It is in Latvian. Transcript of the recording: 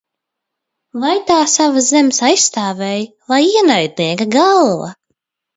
Vai tā savas zemes aizstāvēja, vai ienaidnieka galva?